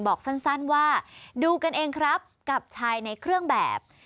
บอกสั้นว่าดูกันเองครับกับชายในเครื่องแบบ